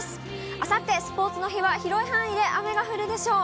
あさってスポーツの日は、広い範囲で雨が降るでしょう。